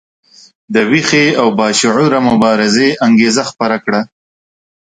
د ویښې او باشعوره مبارزې انګیزه خپره کړه.